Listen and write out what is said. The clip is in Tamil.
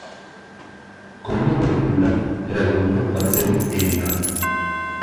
கொல்லிமலைக் குள்ளன் பிறகு வந்து பரிசலில் ஏறினான்.